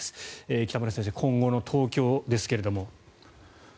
北村先生、今後の東京ですけど。